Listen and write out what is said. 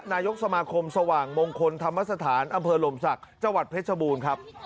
นายกสมาคมสว่างมงคลธรรมสถานอำเภอหลมศักดิ์จังหวัดเพชรบูรณ์ครับ